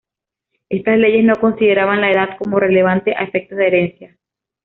Estas leyes no consideraban la edad como relevante a efectos de herencia.